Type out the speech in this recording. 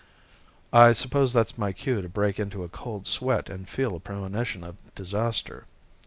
"I suppose that's my cue to break into a cold sweat and feel a premonition of disaster."